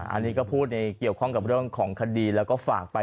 อันนี้ก็พูดในเกี่ยวข้องกับเรื่องของคดีแล้วก็ฝากไป